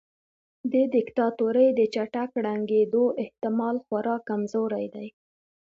د دیکتاتورۍ د چټک ړنګیدو احتمال خورا کمزوری دی.